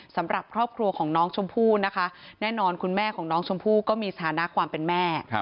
สำหรับครอบครัวของน้องชมพู่นะคะแน่นอนคุณแม่ของน้องชมพู่ก็มีสถานะความเป็นแม่